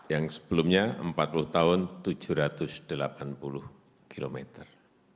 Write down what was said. yang sebelumnya empat puluh tahun tujuh ratus delapan puluh kilometer